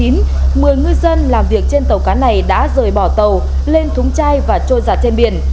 một mươi ngư dân làm việc trên tàu cá này đã rời bỏ tàu lên thúng chai và trôi giặt trên biển